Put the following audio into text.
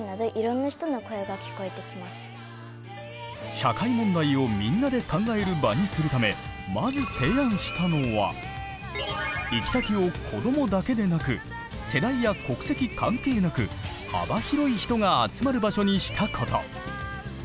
社会問題をみんなで考える場にするため行き先を子どもだけでなく世代や国籍関係なく幅広い人が集まる場所にしたこと。